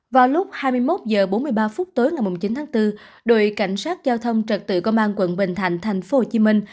vào lúc hai mươi một h bốn mươi ba phút tối ngày chín tháng bốn đội cảnh sát giao thông trật tự công an quận bình thạnh thành phố hồ chí minh